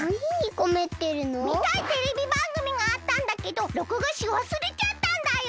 みたいテレビばんぐみがあったんだけど録画しわすれちゃったんだよ。